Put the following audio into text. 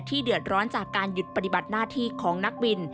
เดือดร้อนจากการหยุดปฏิบัติหน้าที่ของนักบิน